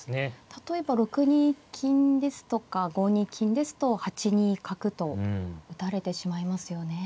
例えば６二金ですとか５二金ですと８二角と打たれてしまいますよね。